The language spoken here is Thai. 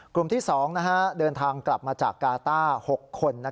กลุ่มที่๒เดินทางกลับมาจากกาต้า๖คน